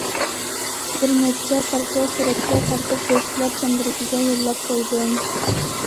بىر نەچچە پارچە سۈرەتكە تارتىپ دوستلار چەمبىرىكىگە يوللاپ قويدۇم.